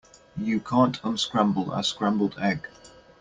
You can't unscramble a scrambled egg.